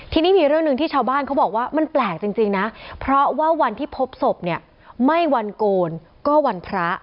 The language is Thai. ทีนี้มีเรื่องหนึ่งที่ชาวบ้านเขาบอกว่ามันแปลกจริงนะเพราะว่าวันที่พบศพเนี่ยไม่วันโกนก็วันพระ